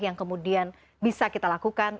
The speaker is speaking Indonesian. yang kemudian bisa kita lakukan